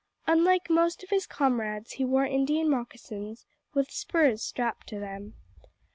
Unlike most of his comrades, he wore Indian moccasins, with spurs strapped to them.